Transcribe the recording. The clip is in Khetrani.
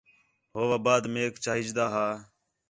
ہو وا بعد میک چاہیجدا ہا